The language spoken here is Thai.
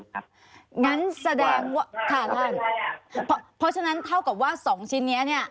งั้นแสดงว่าค่ะท่านเพราะฉะนั้นเท่ากับว่าสองชิ้นนี้เนี่ย